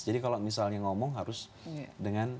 jadi kalau misalnya ngomong harus dengan